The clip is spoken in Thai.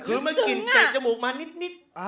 คือมันกลิ่นแตะจมูกมานิด